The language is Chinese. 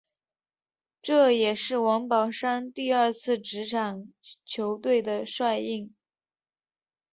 这也是王宝山第二次执掌球队的帅印。